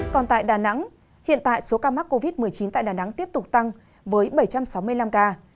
còn tại đà nẵng hiện tại số ca mắc covid một mươi chín tại đà nẵng tiếp tục tăng với bảy trăm sáu mươi năm ca